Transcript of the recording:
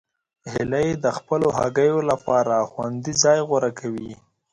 هیلۍ د خپلو هګیو لپاره خوندي ځای غوره کوي